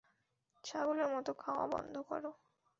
ছাগলের মত খাওয়া বন্ধ কর!